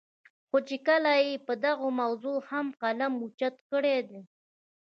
خو چې کله ئې پۀ دغه موضوع هم قلم اوچت کړے دے